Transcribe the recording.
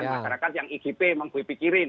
masyarakat yang igp mempikir pikirin